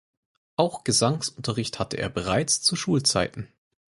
Auch Gesangesunterricht hatte er bereits zu Schulzeiten.